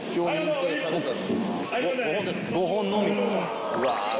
５本のみ？